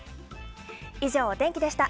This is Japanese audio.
以上、お天気でした。